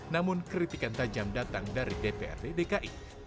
namun kritikan tajam datang dari dprd dki